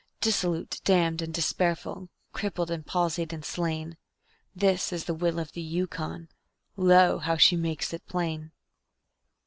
Dissolute, damned and despairful, crippled and palsied and slain, This is the Will of the Yukon, Lo, how she makes it plain!